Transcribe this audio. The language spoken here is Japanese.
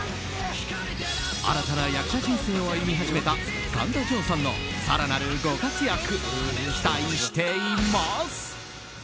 新たな役者人生を歩み始めた神田穣さんの更なるご活躍、期待しています。